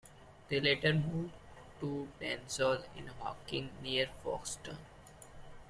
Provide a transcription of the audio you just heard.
They later moved to Densole in Hawkinge near Folkestone.